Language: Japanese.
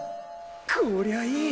こりゃいい！